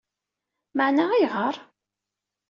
Meɛna ayɣer?